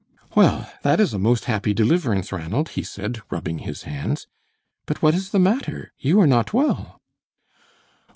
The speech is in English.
"Well, that is a most happy deliverance, Ranald," he said, rubbing his hands. "But what is the matter? You are not well."